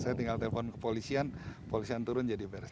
saya tinggal telepon ke polisian polisian turun jadi beres